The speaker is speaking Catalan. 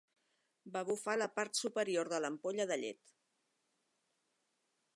Va bufar la part superior de l'ampolla de llet